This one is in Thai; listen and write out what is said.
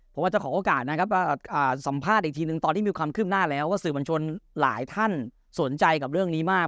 ผมอาจจะขอโอกาสนะครับสัมภาษณ์อีกทีนึงตอนนี้มีความคืบหน้าแล้วว่าสื่อบัญชนหลายท่านสนใจกับเรื่องนี้มาก